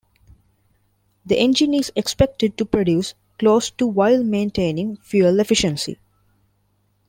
The engine is expected to produce close to while maintaining fuel efficiency.